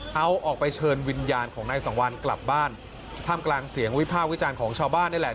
เอาออกไปเชิญวิญญาณของนายสังวัลกลับบ้านท่ามกลางเสียงวิพากษ์วิจารณ์ของชาวบ้านนี่แหละ